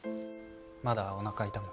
まだおなか痛む？